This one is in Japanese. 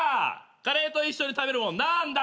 カレーと一緒に食べるものなんだ？